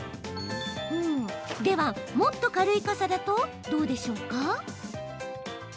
では、もっと軽い傘だとどうでしょうか？